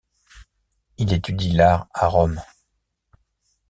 Il étudie l'art à Rome.